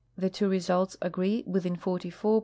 The two results agree within 44.7 feet. P.